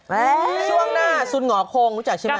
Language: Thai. ช่วงหน้าคุณหงอคงรู้จักใช่ไหม